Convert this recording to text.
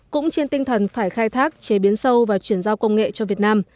cũng trên tinh thần phải khai thác chế biến sâu và chuyển giao công nghệ cho việt nam